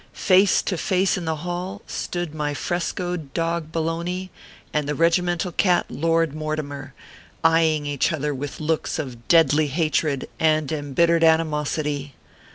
Face to face in the hall stood my frescoed dog, Bologna, and the regimental cat Lord Mortimer, eye ing each other with looks of deadly hatred and em bittered animosity.